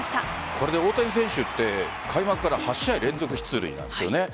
これで大谷選手って開幕から８試合連続出塁なんですよね。